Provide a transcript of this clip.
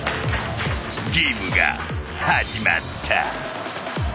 ［ゲームが始まった］